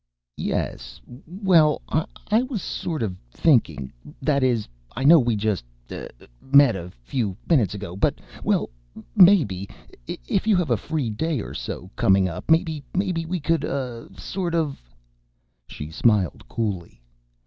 "Yes ... well, I was sort of thinking ... that is, I know we just, uh, met a few minutes ago ... but, well, maybe ... if you have a free day or so coming up ... maybe we could, uh, sort of—". She smiled coolly.